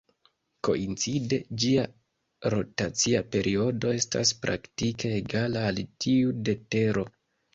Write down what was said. Koincide, ĝia rotacia periodo estas praktike egala al tiu de Tero.